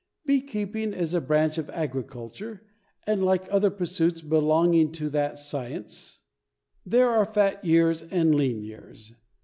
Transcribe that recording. Beekeeping is a branch of agriculture and like other pursuits belonging to that science there are fat years and lean years.